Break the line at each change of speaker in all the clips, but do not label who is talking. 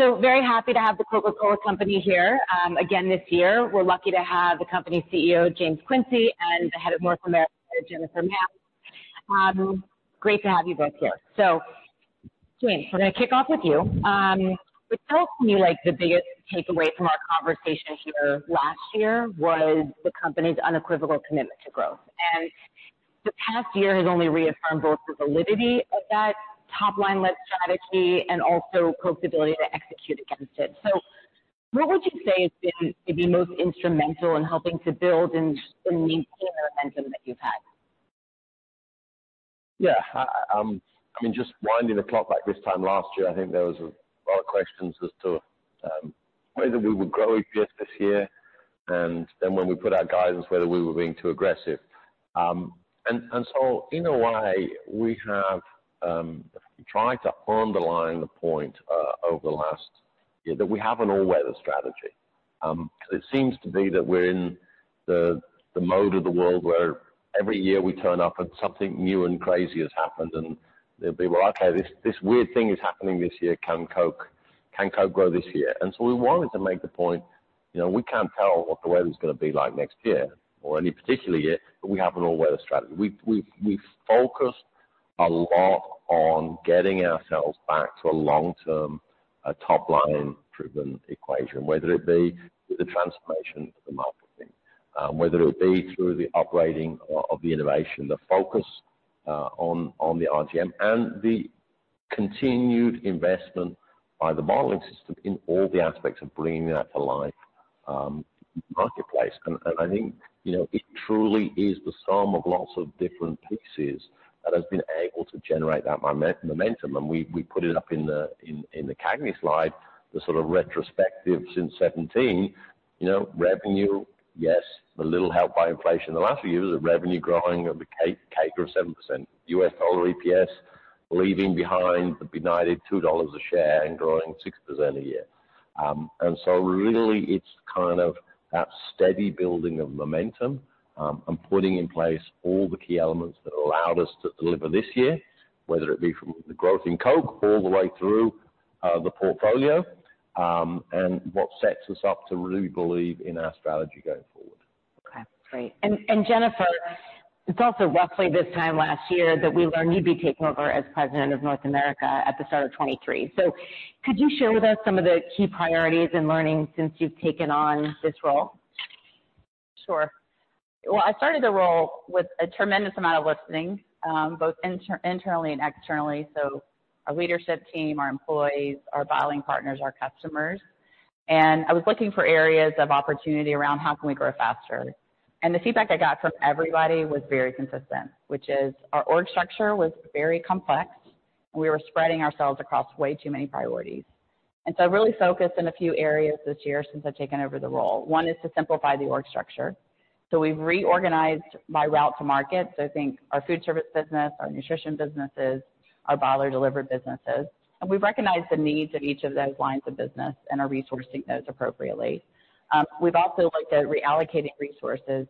So very happy to have the Coca-Cola Company here, again this year. We're lucky to have the company CEO, James Quincey, and the head of North America, Jennifer Mann. Great to have you both here. So, James, we're gonna kick off with you. It felt to me like the biggest takeaway from our conversation here last year was the company's unequivocal commitment to growth. And the past year has only reaffirmed both the validity of that top-line-led strategy and also Coke's ability to execute against it. So what would you say has been the most instrumental in helping to build and maintain the momentum that you've had?
Yeah, I mean, just winding the clock back this time last year, I think there was a lot of questions as to whether we would grow EPS this year, and then when we put our guidance, whether we were being too aggressive. And so in a way, we have tried to underline the point over the last year that we have an all-weather strategy. It seems to be that we're in the mode of the world where every year we turn up and something new and crazy has happened, and they'll be, "Well, okay, this weird thing is happening this year. Can Coke grow this year?" And so we wanted to make the point, you know, we can't tell what the weather's gonna be like next year, or any particular year, but we have an all-weather strategy. We focused a lot on getting ourselves back to a long-term top line-driven equation, whether it be with the transformation of the marketing, whether it be through the upgrading of the innovation, the focus on the RGM and the continued investment by the modeling system in all the aspects of bringing that to life, marketplace. And I think, you know, it truly is the sum of lots of different pieces that has been able to generate that momentum. And we put it up in the CAGNY slide, the sort of retrospective since 2017. You know, revenue, yes, with a little help by inflation. The last few years, the revenue growing at the CAGR of 7%. U.S. total EPS, leaving behind the benighted $2 a share and growing 6% a year. And so really, it's kind of that steady building of momentum and putting in place all the key elements that allowed us to deliver this year, whether it be from the growth in Coke all the way through the portfolio, and what sets us up to really believe in our strategy going forward.
Okay, great. And Jennifer, it's also roughly this time last year that we learned you'd be taking over as president of North America at the start of 2023. So could you share with us some of the key priorities and learnings since you've taken on this role?
Sure. Well, I started the role with a tremendous amount of listening, both internally and externally, so our leadership team, our employees, our bottling partners, our customers. And I was looking for areas of opportunity around how can we grow faster. And the feedback I got from everybody was very consistent, which is our org structure was very complex. We were spreading ourselves across way too many priorities. And so I really focused in a few areas this year since I've taken over the role. One is to simplify the org structure. So we've reorganized by route to market. So I think our food service business, our nutrition businesses, our bottler delivered businesses, and we've recognized the needs of each of those lines of business and are resourcing those appropriately. We've also looked at reallocating resources,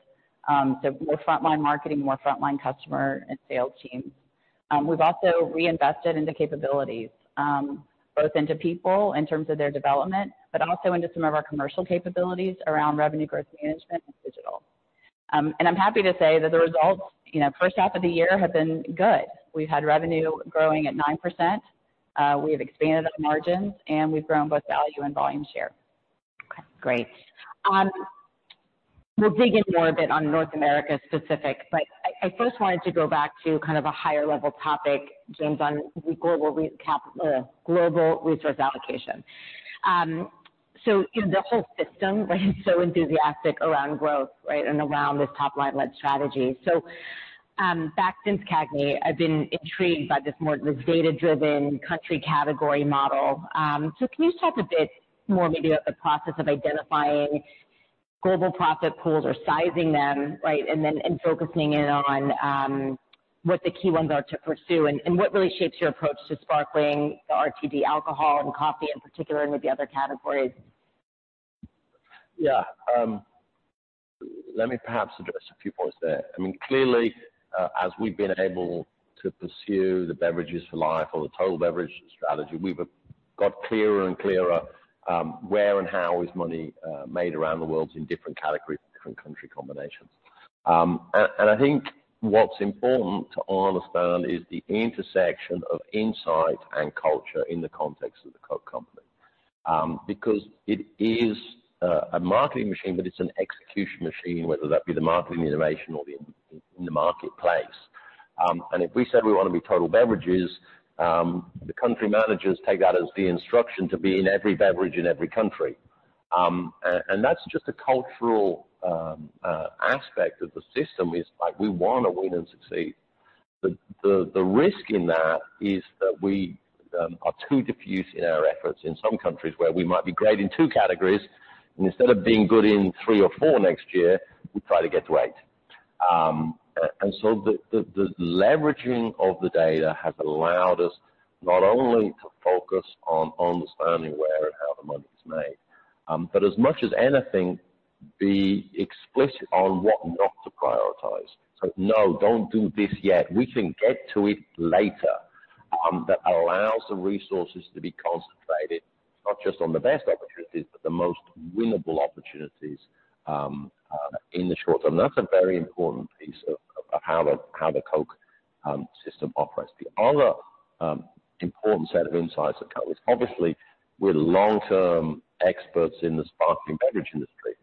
so more frontline marketing, more frontline customer and sales teams. We've also reinvested into capabilities, both into people in terms of their development, but also into some of our commercial capabilities around revenue growth management and digital. I'm happy to say that the results, you know, first half of the year have been good. We've had revenue growing at 9%, we have expanded our margins, and we've grown both value and volume share.
Okay, great. We'll dig in more a bit on North America specifics, but I first wanted to go back to kind of a higher level topic, James, on the global recap, global resource allocation. So, you know, the whole system, right, is so enthusiastic around growth, right, and around this top-line-led strategy. Back since CAGNY, I've been intrigued by this more, this data-driven country category model. So can you talk a bit more maybe about the process of identifying global profit pools or sizing them, right? And then, focusing in on what the key ones are to pursue and what really shapes your approach to sparkling the RTD alcohol and coffee in particular, and with the other categories?
Yeah, let me perhaps address a few points there. I mean, clearly, as we've been able to pursue the Beverages for Life or the total beverage strategy, we've got clearer and clearer where and how is money made around the world in different categories, different country combinations. And I think what's important to understand is the intersection of insight and culture in the context of the Coke Company. Because it is a marketing machine, but it's an execution machine, whether that be the marketing innovation or in the marketplace. And if we said we want to be total beverages, the country managers take that as the instruction to be in every beverage in every country. And that's just a cultural aspect of the system is like, we wanna win and succeed. The risk in that is that we are too diffuse in our efforts in some countries, where we might be great in two categories, and instead of being good in three or four next year, we try to get to eight. And so the leveraging of the data has allowed us not only to focus on understanding where and how the money is made, but as much as anything, be explicit on what not to prioritize. So no, don't do this yet. We can get to it later. That allows the resources to be concentrated, not just on the best opportunities, but the most winnable opportunities, in the short term. That's a very important piece of how the Coke system operates. The other important set of insights at Coke is, obviously, we're long-term experts in the sparkling beverage industry.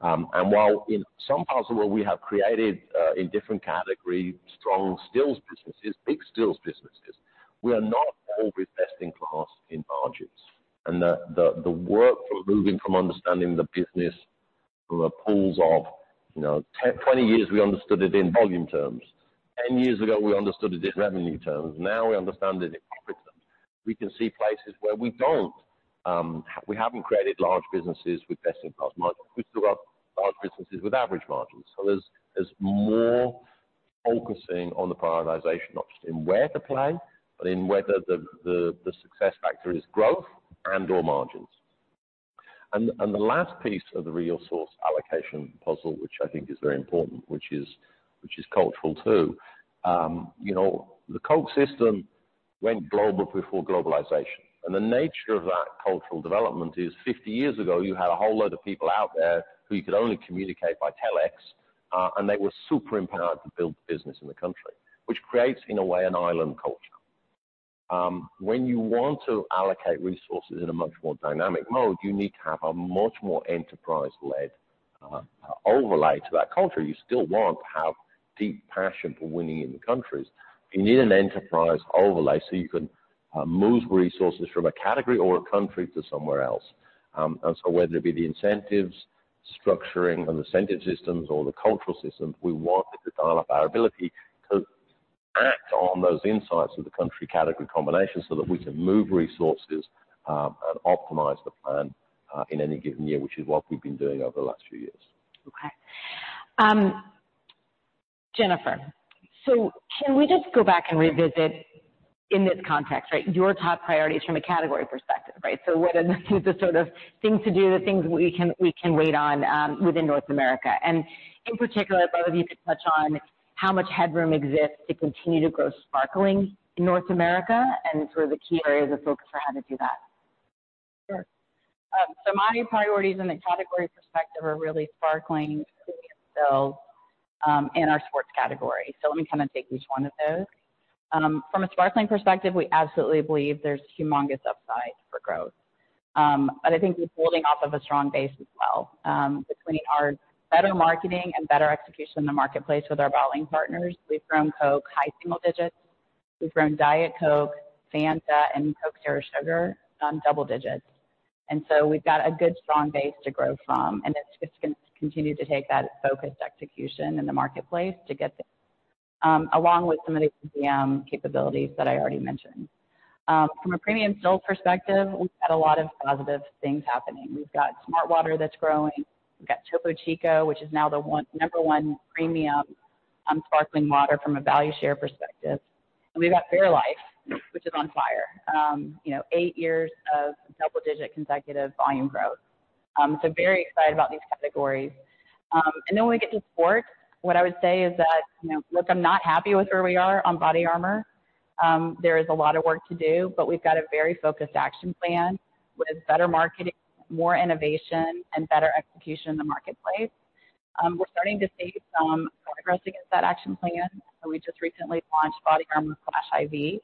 And while in some parts of the world we have created in different categories, strong stills businesses, big stills businesses, we are not always best in class in margins. And the work from moving from understanding the business from a pool of, you know, 10, 20 years, we understood it in volume terms. 10 years ago, we understood it in revenue terms. Now we understand it in profit terms. We can see places where we don't, we haven't created large businesses with best-in-class margins. We still have large businesses with average margins. So there's more focusing on the prioritization, not just in where to play, but in whether the success factor is growth and/or margins. And the last piece of the real source allocation puzzle, which I think is very important, which is cultural, too. You know, the Coke system went global before globalization, and the nature of that cultural development is 50 years ago, you had a whole load of people out there who you could only communicate by Telex, and they were super empowered to build the business in the country, which creates, in a way, an island culture. When you want to allocate resources in a much more dynamic mode, you need to have a much more enterprise-led overlay to that culture. You still want to have deep passion for winning in the countries. You need an enterprise overlay, so you can move resources from a category or a country to somewhere else. And so whether it be the incentives, structuring, and incentive systems or the cultural systems, we want to dial up our ability to act on those insights of the country category combination so that we can move resources, and optimize the plan, in any given year, which is what we've been doing over the last few years.
Okay. Jennifer, so can we just go back and revisit in this context, right, your top priorities from a category perspective, right? So what are the sort of things to do, the things we can, we can wait on, within North America? And in particular, if both of you could touch on how much headroom exists to continue to grow sparkling in North America and sort of the key areas of focus for how to do that.
Sure. So my priorities in the category perspective are really sparkling, still, in our sports category. So let me kind of take each one of those. From a sparkling perspective, we absolutely believe there's humongous upside for growth. But I think it's building off of a strong base as well. Between our better marketing and better execution in the marketplace with our bottling partners, we've grown Coke high single digits. We've grown Diet Coke, Fanta, and Coke Zero Sugar, double digits. And so we've got a good, strong base to grow from, and it's just gonna continue to take that focused execution in the marketplace to get there. Along with some of the capabilities that I already mentioned. From a premium still perspective, we've had a lot of positive things happening. We've got smartwater that's growing. We've got Topo Chico, which is now the number one premium sparkling water from a value share perspective. And we've got fairlife, which is on fire. You know, eight years of double-digit consecutive volume growth. So very excited about these categories. And then when we get to sports, what I would say is that, you know, look, I'm not happy with where we are on BODYARMOR. There is a lot of work to do, but we've got a very focused action plan with better marketing, more innovation and better execution in the marketplace. We're starting to see some progress against that action plan. So we just recently launched BODYARMOR Flash I.V.,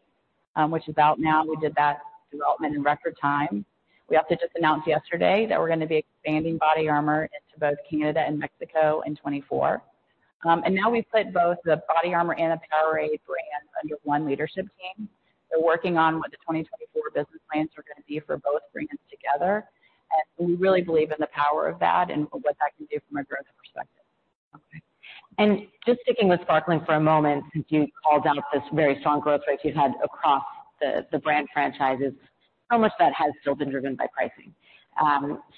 which is out now. We did that development in record time. We also just announced yesterday that we're gonna be expanding BODYARMOR into both Canada and Mexico in 2024. And now we've put both the BODYARMOR and the Powerade brands under one leadership team. They're working on what the 2024 business plans are gonna be for both brands together. And we really believe in the power of that and what that can do from a growth perspective.
Okay. And just sticking with sparkling for a moment, since you called out this very strong growth rates you've had across the brand franchises, how much of that has still been driven by pricing?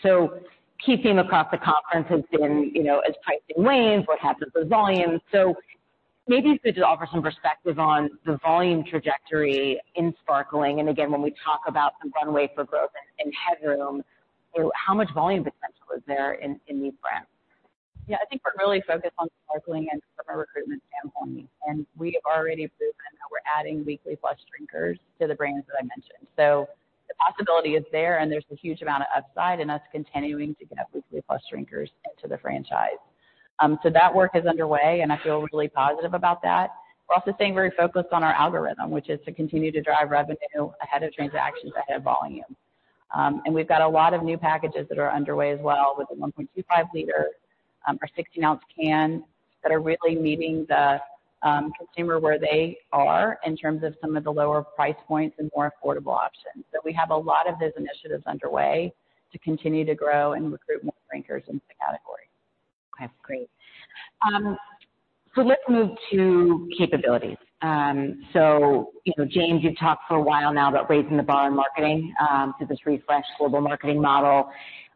So key theme across the conference has been, you know, as pricing wanes, what happens to volumes? So maybe if you could just offer some perspective on the volume trajectory in sparkling, and again, when we talk about the runway for growth and headroom, how much volume potential is there in these brands?
Yeah, I think we're really focused on sparkling and from a recruitment standpoint, and we have already proven that we're adding weekly plus drinkers to the brands that I mentioned. So the possibility is there, and there's a huge amount of upside, and that's continuing to get weekly plus drinkers into the franchise. So that work is underway, and I feel really positive about that. We're also staying very focused on our algorithm, which is to continue to drive revenue ahead of transactions, ahead of volume. And we've got a lot of new packages that are underway as well with the 1.25-liter, our 16-ounce can, that are really meeting the consumer where they are in terms of some of the lower price points and more affordable options. So we have a lot of those initiatives underway to continue to grow and recruit more drinkers into the category.
Okay, great. Let's move to capabilities. You know, James, you've talked for a while now about raising the bar in marketing to this refreshed global marketing model.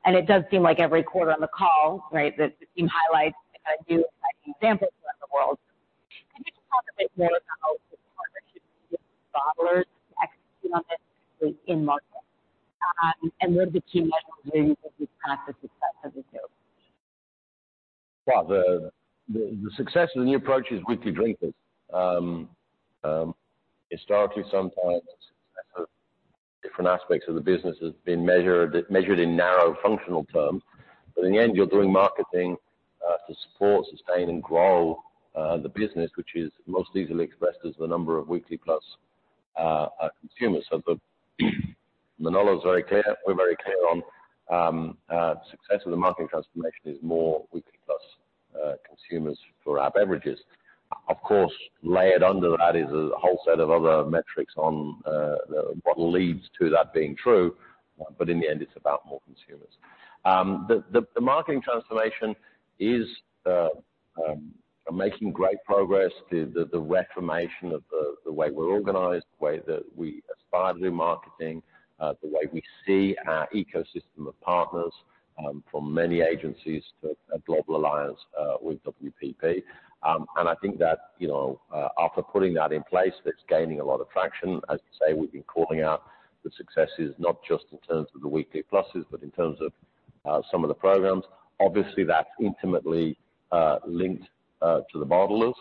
It does seem like every quarter on the call, right, that you highlight a new example around the world. Can you just talk a bit more about in market? And what are the key measures of this path to success as we go?
Well, the success of the new approach is weekly drinkers. Historically, sometimes success of different aspects of the business has been measured in narrow functional terms. But in the end, you're doing marketing to support, sustain, and grow the business, which is most easily expressed as the number of weekly plus consumers. So Manolo is very clear. We're very clear on success of the marketing transformation is more weekly plus consumers for our beverages. Of course, layered under that is a whole set of other metrics on what leads to that being true. But in the end, it's about more consumers. The marketing transformation is making great progress. The reformation of the way we're organized, the way that we aspire to do marketing, the way we see our ecosystem of partners, from many agencies to a global alliance with WPP. And I think that, you know, after putting that in place, that's gaining a lot of traction. As you say, we've been calling out the successes, not just in terms of the weekly pluses, but in terms of some of the programs. Obviously, that's intimately linked to the bottlers.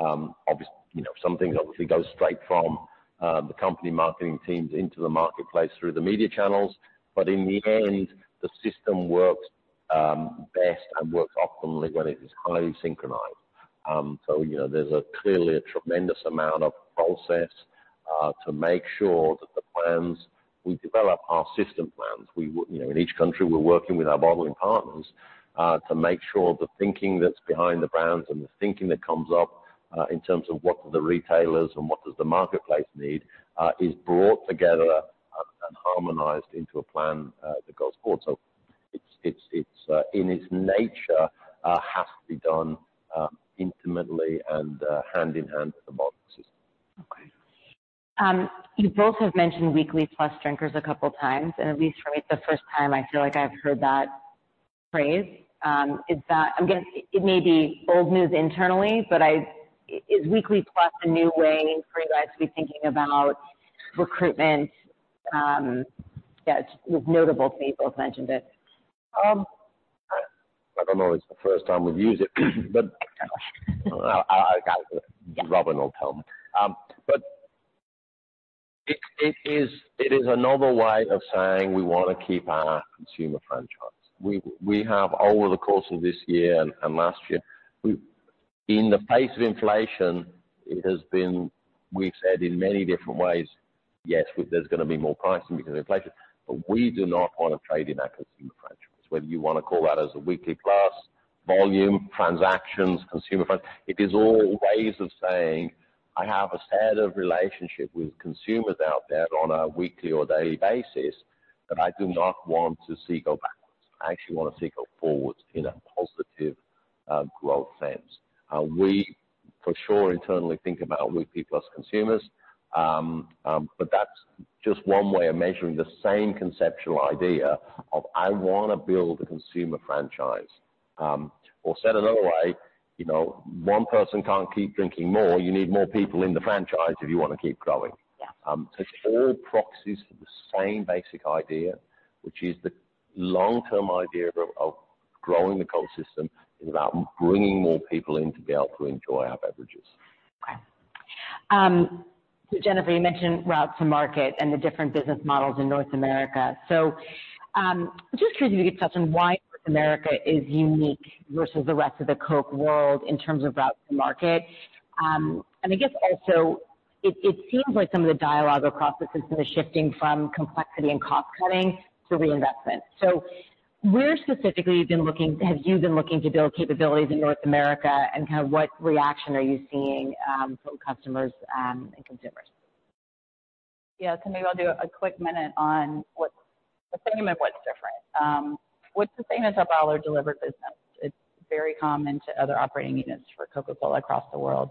You know, some things obviously go straight from the company marketing teams into the marketplace through the media channels. But in the end, the system works best and works optimally when it is highly synchronized. So you know, there's clearly a tremendous amount of process to make sure that the plans. We develop our system plans. We you know, in each country, we're working with our bottling partners, to make sure the thinking that's behind the brands and the thinking that comes up, in terms of what do the retailers and what does the marketplace need, is brought together and harmonized into a plan, that goes forward. So it's, it's, it's, in its nature, has to be done, intimately and, hand in hand with the bottling system.
Okay. You both have mentioned weekly plus drinkers a couple of times, and at least for me, it's the first time I feel like I've heard that phrase. Is that—I'm guessing it may be old news internally, but I, Is weekly plus a new way for you guys to be thinking about recruitment? Yeah, it's notable that you both mentioned it.
I don't know if it's the first time we've used it, but Robin will tell me. But it is a novel way of saying we want to keep our consumer franchise. We have over the course of this year and last year, in the face of inflation, it has been, we've said in many different ways, yes, there's going to be more pricing because of inflation, but we do not want to trade in our consumer franchise. Whether you want to call that as a weekly plus, volume, transactions, consumer franchise, it is all ways of saying, I have a set of relationship with consumers out there on a weekly or daily basis, but I do not want to see go backwards. I actually want to see go forwards in a positive growth sense. We for sure, internally think about weekly plus consumers, but that's just one way of measuring the same conceptual idea of, I want to build a consumer franchise. Or said another way, you know, one person can't keep drinking more. You need more people in the franchise if you want to keep growing.
Yeah.
So it's all proxies for the same basic idea, which is the long-term idea of growing the Coke system is about bringing more people in to be able to enjoy our beverages.
Okay. So Jennifer, you mentioned route to market and the different business models in North America. So, just curious if you could touch on why North America is unique versus the rest of the Coke world in terms of route to market. And I guess also, it seems like some of the dialogue across the system is shifting from complexity and cost-cutting to reinvestment. So where specifically have you been looking to build capabilities in North America, and kind of what reaction are you seeing from customers and consumers?
Yeah. So maybe I'll do a quick minute on what's the same and what's different. What's the same is our bottler delivered business. It's very common to other operating units for Coca-Cola across the world.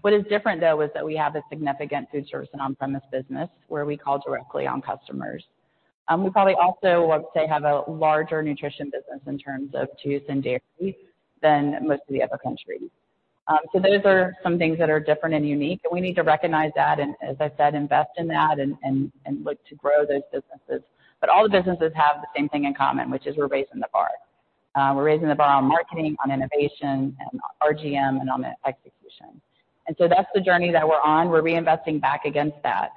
What is different, though, is that we have a significant food service and on-premise business, where we call directly on customers. We probably also, want to say, have a larger nutrition business in terms of juice and dairy than most of the other countries. So those are some things that are different and unique, and we need to recognize that, and as I said, invest in that and look to grow those businesses. But all the businesses have the same thing in common, which is we're raising the bar. We're raising the bar on marketing, on innovation, and RGM and on the execution. That's the journey that we're on. We're reinvesting back against that.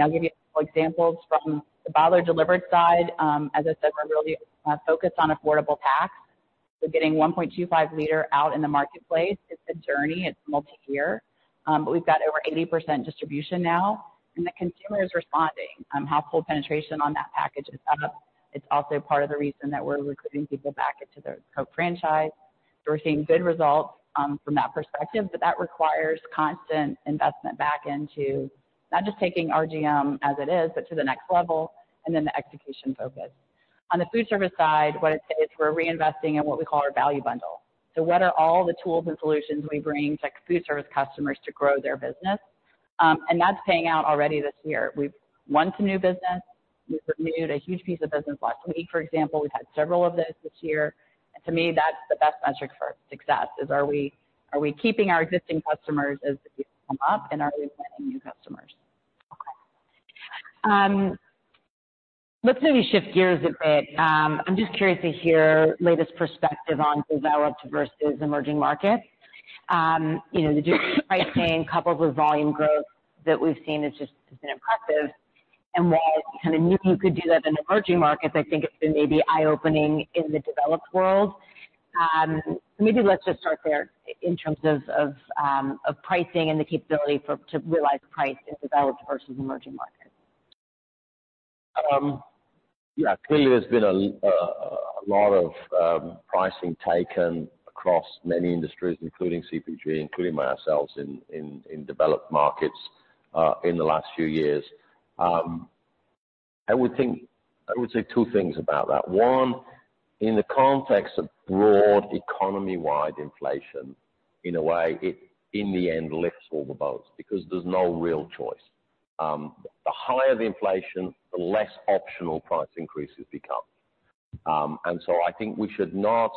I'll give you a couple examples from the bottler delivered side. As I said, we're really focused on affordable packs. Getting 1.25 liter out in the marketplace, it's a journey, it's multi-year, but we've got over 80% distribution now, and the consumer is responding. Household penetration on that package is up. It's also part of the reason that we're recruiting people back into the Coke franchise. We're seeing good results from that perspective, but that requires constant investment back into not just taking RGM as it is, but to the next level, and then the execution focus. On the food service side, what it is, we're reinvesting in what we call our value bundle. So what are all the tools and solutions we bring to food service customers to grow their business? And that's paying out already this year. We've won some new business. We renewed a huge piece of business last week, for example. We've had several of those this year, and to me, that's the best metric for success, is are we-
Are we keeping our existing customers as they come up, and are we getting new customers? Let's maybe shift gears a bit. I'm just curious to hear latest perspective on developed versus emerging markets. You know, the price gain coupled with volume growth that we've seen is just, it's been impressive. And while I kind of knew you could do that in emerging markets, I think it's been maybe eye-opening in the developed world. Maybe let's just start there in terms of pricing and the capability to realize price in developed versus emerging markets.
Yeah, clearly there's been a lot of pricing taken across many industries, including CPG, including by ourselves in developed markets in the last few years. I would think, I would say two things about that. One, in the context of broad economy-wide inflation, in a way, it in the end lifts all the boats because there's no real choice. The higher the inflation, the less optional price increases become. And so I think we should not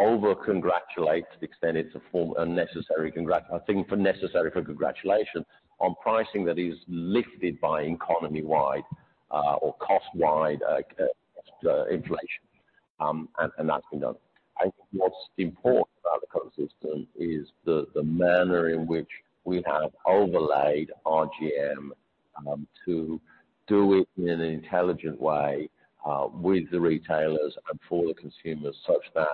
over congratulate, to the extent it's a form unnecessary congrat-- I think necessary for congratulations, on pricing that is lifted by economy-wide or cost-wide inflation. And that's been done. I think what's important about the coexist is the manner in which we have overlaid RGM to do it in an intelligent way with the retailers and for the consumers, such that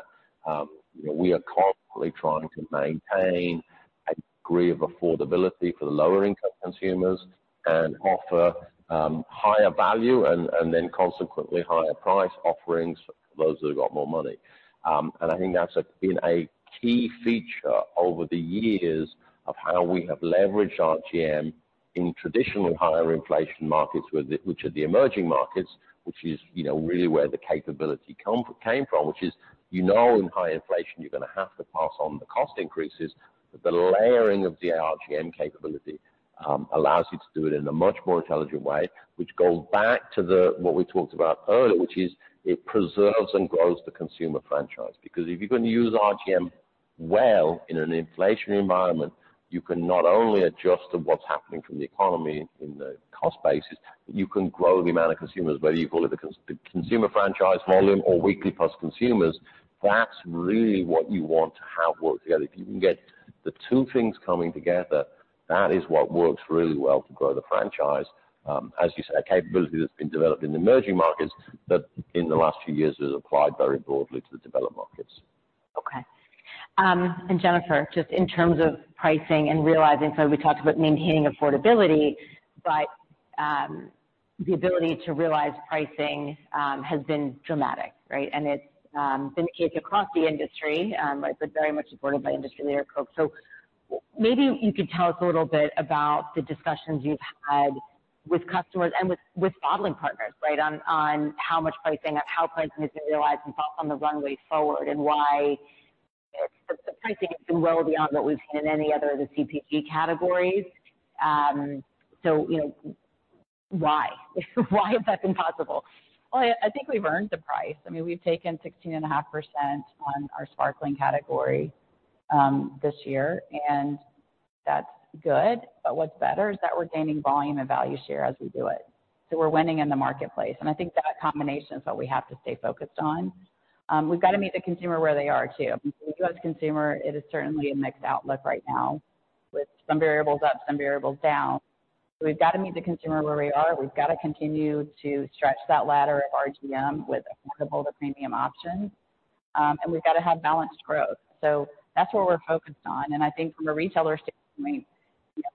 you know, we are constantly trying to maintain a degree of affordability for the lower-income consumers and offer higher value and then consequently higher price offerings for those who have got more money. And I think that's been a key feature over the years of how we have leveraged RGM in traditional higher inflation markets, which are the emerging markets, which is you know, really where the capability came from. Which is, you know, in high inflation, you're gonna have to pass on the cost increases, but the layering of the RGM capability allows you to do it in a much more intelligent way, which goes back to what we talked about earlier, which is it preserves and grows the consumer franchise. Because if you're going to use RGM well in an inflationary environment, you can not only adjust to what's happening from the economy in the cost basis, you can grow the amount of consumers, whether you call it the consumer franchise volume or weekly plus consumers. That's really what you want to have work together. If you can get the two things coming together, that is what works really well to grow the franchise. As you said, a capability that's been developed in the emerging markets, but in the last few years has applied very broadly to the developed markets.
Okay. And Jennifer, just in terms of pricing and realizing, so we talked about maintaining affordability, but the ability to realize pricing has been dramatic, right? And it's been the case across the industry, but very much supported by industry leader Coke. So maybe you could tell us a little bit about the discussions you've had with customers and with bottling partners, right? On how much pricing, how pricing has been realized and thought on the runway forward, and why the pricing has been well beyond what we've seen in any other of the CPG categories. So you know, why? Why has that been possible?
Well, I think we've earned the price. I mean, we've taken 16.5% on our sparkling category this year, and that's good. But what's better is that we're gaining volume and value share as we do it. So we're winning in the marketplace, and I think that combination is what we have to stay focused on. We've got to meet the consumer where they are, too. Because consumer, it is certainly a mixed outlook right now, with some variables up, some variables down. So we've got to meet the consumer where they are. We've got to continue to stretch that ladder of RGM with affordable to premium options, and we've got to have balanced growth. So that's what we're focused on, and I think from a retailer standpoint,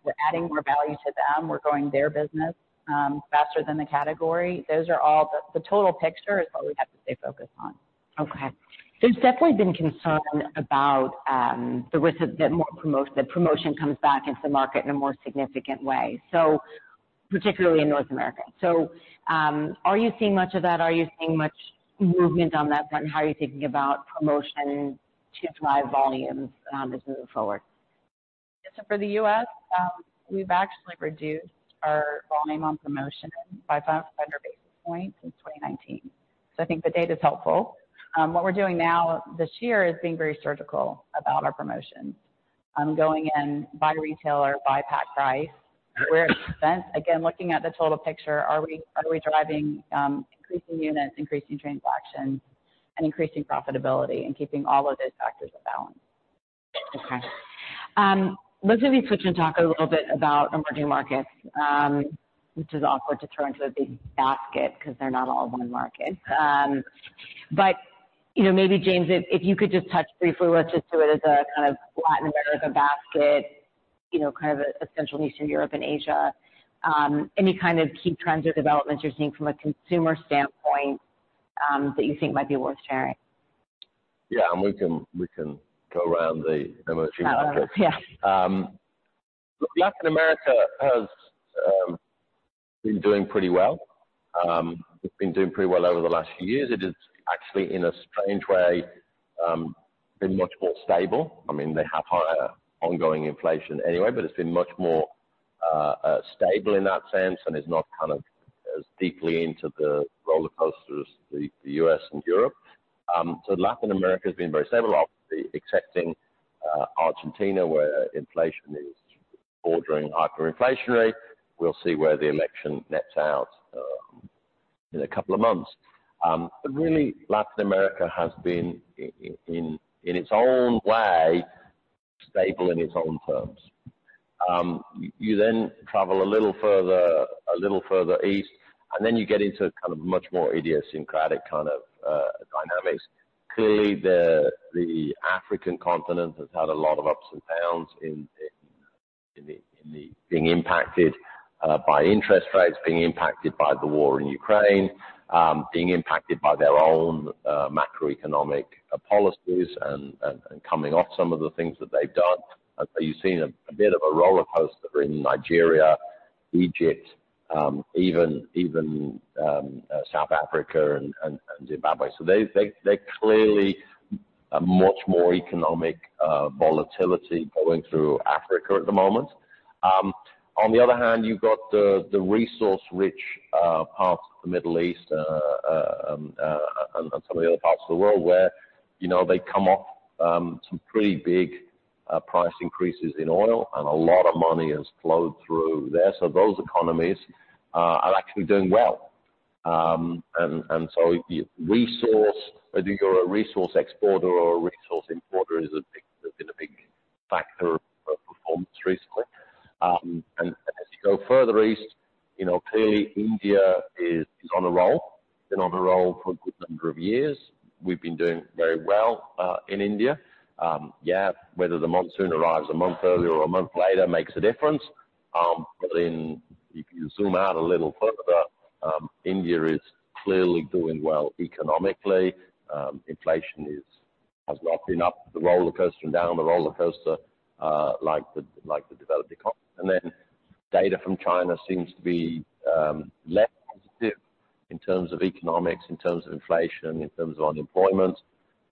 we're adding more value to them. We're growing their business faster than the category. Those are all the total picture is what we have to stay focused on.
Okay. There's definitely been concern about the risk that more promotion, the promotion comes back into the market in a more significant way, so particularly in North America. So, are you seeing much of that? Are you seeing much movement on that front? How are you thinking about promotion to drive volumes as we move forward?
So for the US, we've actually reduced our volume on promotion by 55 basis points since 2019. So I think the data is helpful. What we're doing now this year is being very surgical about our promotions. I'm going in by retailer, by pack price, where it's spent. Again, looking at the total picture, are we, are we driving, increasing units, increasing transactions, and increasing profitability and keeping all of those factors in balance.
Okay. Let's maybe switch and talk a little bit about emerging markets, which is awkward to turn into a big basket because they're not all one market. But, you know, maybe, James, if you could just touch briefly. Let's just do it as a kind of Latin America basket, you know, kind of Central and Eastern Europe and Asia. Any kind of key trends or developments you're seeing from a consumer standpoint that you think might be worth sharing?
Yeah, and we can, we can go around the emerging markets.
Yeah.
Latin America has been doing pretty well. It's been doing pretty well over the last few years. It is actually, in a strange way, been much more stable. I mean, they have higher ongoing inflation anyway, but it's been much more stable in that sense, and is not kind of as deeply into the roller coaster as the U.S. and Europe. So Latin America has been very stable, obviously, excepting Argentina, where inflation is bordering hyperinflationary. We'll see where the election nets out, in a couple of months. But really, Latin America has been in, in its own way, stable in its own terms. You then travel a little further, a little further east, and then you get into kind of much more idiosyncratic kind of dynamics. Clearly, the African continent has had a lot of ups and downs in being impacted by interest rates, being impacted by the war in Ukraine, being impacted by their own macroeconomic policies and coming off some of the things that they've done. You've seen a bit of a roller coaster in Nigeria, Egypt, even South Africa and Zimbabwe. So there's clearly a much more economic volatility going through Africa at the moment. On the other hand, you've got the resource-rich parts of the Middle East and some of the other parts of the world where, you know, they come off some pretty big price increases in oil, and a lot of money has flowed through there. So those economies are actually doing well. And so resource, whether you're a resource exporter or a resource importer, is a big, been a big factor of performance recently. And as you go further east, you know, clearly India is on a roll. Been on a roll for a good number of years. We've been doing very well in India. Yeah, whether the monsoon arrives a month earlier or a month later makes a difference. But then if you zoom out a little further, India is clearly doing well economically. Inflation has not been up the roller coaster and down the roller coaster, like the developed economy. And then data from China seems to be less positive in terms of economics, in terms of inflation, in terms of unemployment.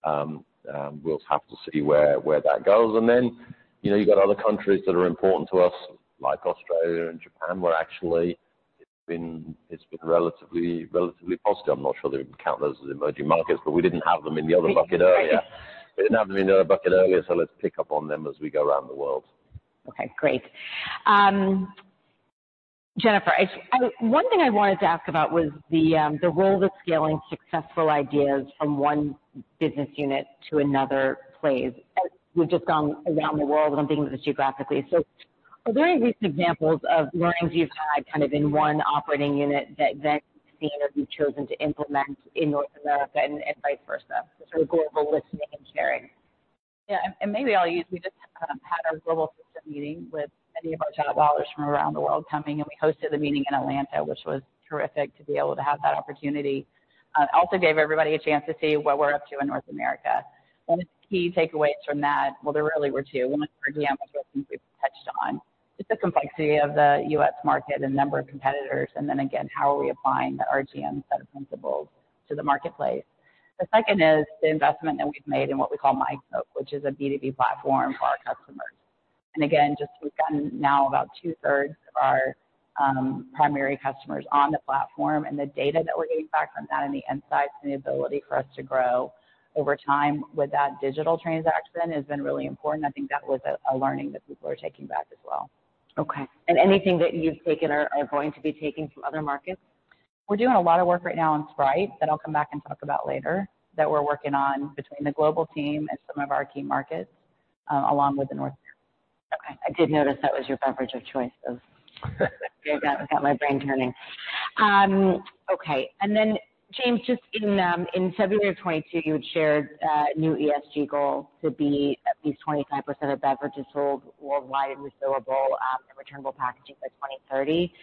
We'll have to see where that goes. And then, you know, you've got other countries that are important to us, like Australia and Japan, where actually it's been relatively positive. I'm not sure they would count those as emerging markets, but we didn't have them in the other bucket earlier, so let's pick up on them as we go around the world.
Okay, great. Jennifer, one thing I wanted to ask about was the role of scaling successful ideas from one business unit to another place. We've just gone around the world, and I'm thinking of this geographically. So are there recent examples of learnings you've had kind of in one operating unit that then you've seen or you've chosen to implement in North America and vice versa? So sort of global listening and sharing.
Yeah, and, and maybe I'll use, we just had our global system meeting with many of our talent, our leaders from around the world coming, and we hosted the meeting in Atlanta, which was terrific to be able to have that opportunity. It also gave everybody a chance to see what we're up to in North America. One of the key takeaways from that, well, there really were two. One, for example, which I think we've touched on, just the complexity of the U.S. market and number of competitors, and then again, how are we applying the RGM set of principles to the marketplace? The second is the investment that we've made in what we call myCoke, which is a B2B platform for our customers. And again, just we've gotten now about two-thirds of our primary customers on the platform, and the data that we're getting back from that and the insights and the ability for us to grow over time with that digital transaction has been really important. I think that was a learning that people are taking back as well.
Okay. And anything that you've taken or going to be taking from other markets?
We're doing a lot of work right now on Sprite, that I'll come back and talk about later, that we're working on between the global team and some of our key markets, along with North America.
Okay. I did notice that was your beverage of choice, so I got my brain turning. Okay. And then, James, just in February 2022, you had shared new ESG goal to be at least 25% of beverages sold worldwide in refillable and returnable packaging by 2030.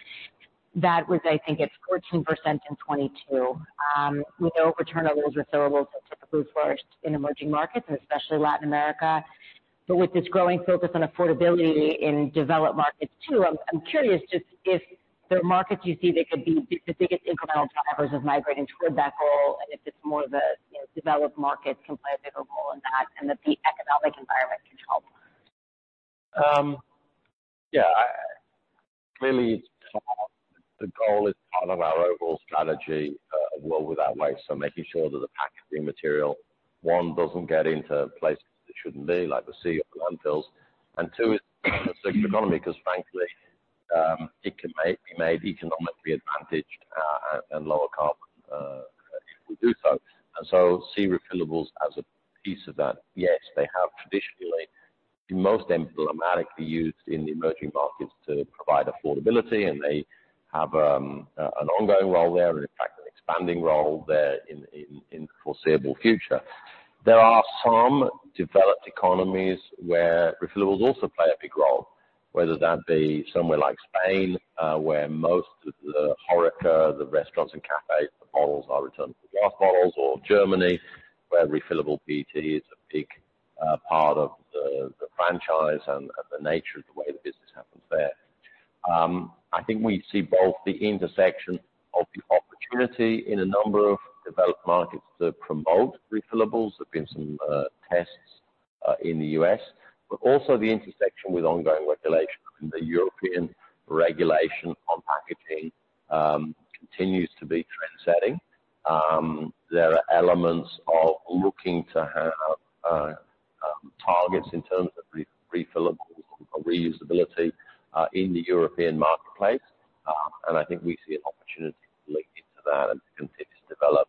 That was, I think, 14% in 2022. We know returnables, refillables are typically first in emerging markets and especially Latin America. But with this growing focus on affordability in developed markets, too, I'm curious just if there are markets you see that could be the biggest incremental drivers of migrating toward that goal, and if it's more the, you know, developed markets can play a bigger role in that, and the peak economic environment can help?
Yeah. Clearly, the goal is part of our overall strategy, a World Without Waste. So making sure that the packaging material, one, doesn't get into places it shouldn't be, like the sea or landfills, and two, it's a circular economy, because frankly, it can be made economically advantaged, and lower carbon, if we do so. And so see refillables as a piece of that. Yes, they have traditionally been most emblematically used in the emerging markets to provide affordability, and they have an ongoing role there, and in fact, an expanding role there in the foreseeable future. There are some developed economies where refillables also play a big role, whether that be somewhere like Spain, where most of the HoReCa, the restaurants and cafes, the bottles are returned for glass bottles, or Germany, where refillable PET is a big part of the franchise and the nature of the way the business happens there. I think we see both the intersection of the opportunity in a number of developed markets to promote refillables. There have been some tests in the U.S., but also the intersection with ongoing regulation. The European regulation on packaging continues to be trendsetting. There are elements of looking to have targets in terms of refillables or reusability in the European marketplace. I think we see an opportunity to link into that and continue to develop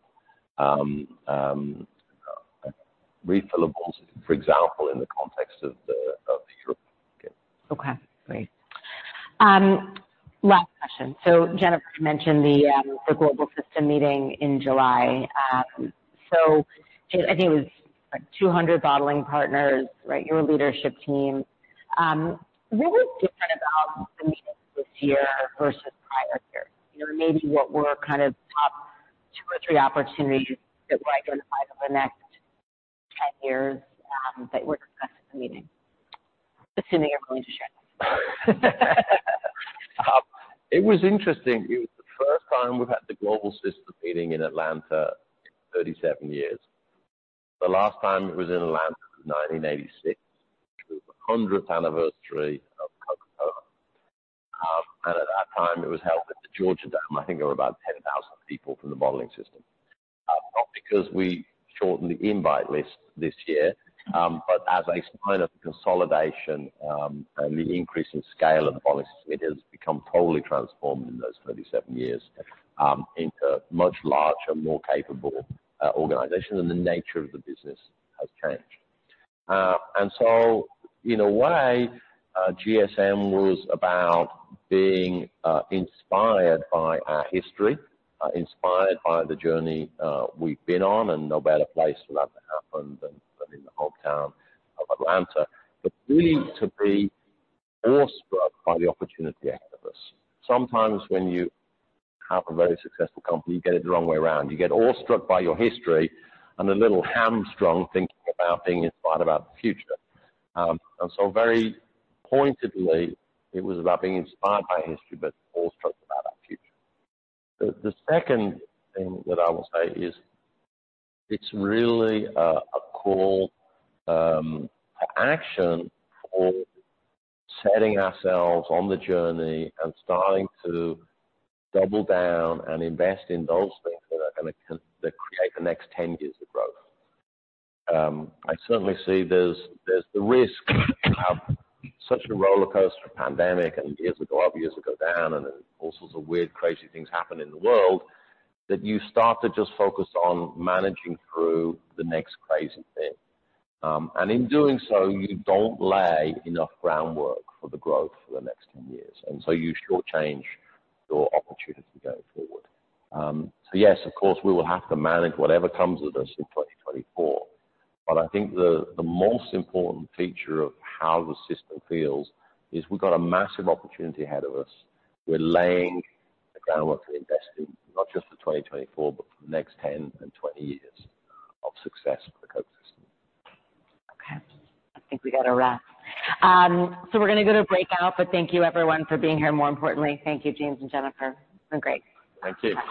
refillables, for example, in the context of the European market.
Okay, great. Last question. So Jennifer mentioned the global system meeting in July. So I think it was like 200 bottling partners, right? Your leadership team. What was different about the meeting this year versus prior years? You know, maybe what were kind of top two or three opportunities that were identified over the next 10 years that were discussed at the meeting, assuming you're going to share?
It was interesting. It was the first time we've had the global system meeting in Atlanta in 37 years. The last time it was in Atlanta was 1986, the 100th anniversary of Coca-Cola. At that time, it was held at the Georgia Dome. I think there were about 10,000 people from the bottling system. Not because we shortened the invite list this year, but as a sign of consolidation, and the increase in scale of the bottling system, it has become totally transformed in those 37 years, into a much larger, more capable, organization, and the nature of the business has changed. And so in a way, GSM was about being inspired by our history, inspired by the journey we've been on, and no better place for that to happen than in the hometown of Atlanta. But really to be awestruck by the opportunity ahead of us. Sometimes when you have a very successful company, you get it the wrong way around. You get awestruck by your history and a little hamstrung thinking about being inspired about the future. And so very pointedly, it was about being inspired by history, but awestruck about our future. The second thing that I will say is, it's really a call to action for setting ourselves on the journey and starting to double down and invest in those things that create the next 10 years of growth. I certainly see there's the risk of such a rollercoaster pandemic and years ago, up years ago down, and all sorts of weird, crazy things happen in the world, that you start to just focus on managing through the next crazy thing. And in doing so, you don't lay enough groundwork for the growth for the next 10 years, and so you shortchange your opportunity going forward. So yes, of course, we will have to manage whatever comes with us in 2024, but I think the most important feature of how the system feels is we've got a massive opportunity ahead of us. We're laying the groundwork to invest in not just for 2024, but for the next 10 and 20 years of success for the Coke system.
Okay, I think we got to wrap. So we're going to go to breakout, but thank you, everyone, for being here. More importantly, thank you, James and Jennifer. You've been great.
Thank you.